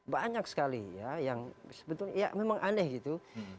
banyak sekali ya yang sebetulnya ya memang aneh gitu